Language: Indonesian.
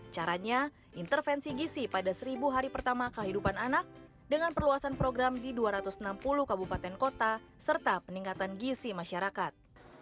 caranya intervensi gisi pada seribu hari pertama kehidupan anak dengan perluasan program di dua ratus enam puluh kabupaten kota serta peningkatan gisi masyarakat